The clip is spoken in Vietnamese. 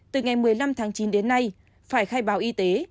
từ ngày một mươi năm tháng chín đến nay phải khai báo y tế